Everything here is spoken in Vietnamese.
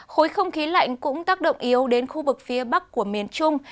khối không khí lạnh cũng tác động yếu đến khu vực phía bắc của miền trung